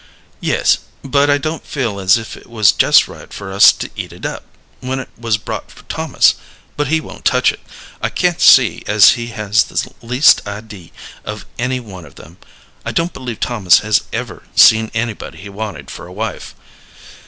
"Yes; but I don't feel as if it was jest right for us to eat it up, when 't was brought for Thomas. But he won't touch it. I can't see as he has the least idee of any one of them. I don't believe Thomas has ever seen anybody he wanted for a wife."